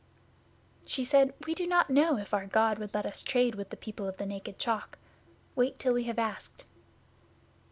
'She said, "We do not know if our God will let us trade with the people of the Naked Chalk. Wait till we have asked."